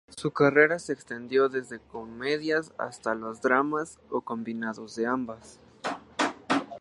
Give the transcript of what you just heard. Su carrera se extendió desde comedias hasta los dramas o una combinación de ambas.